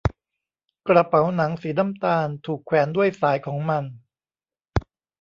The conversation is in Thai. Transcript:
กระเป๋าหนังสีน้ำตาลถูกแขวนด้วยสายของมัน